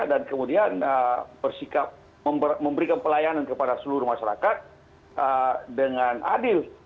dan kemudian bersikap memberikan pelayanan kepada seluruh masyarakat dengan adil